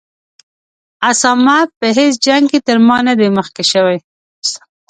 اسامه په هیڅ جنګ کې تر ما نه دی مخکې شوی.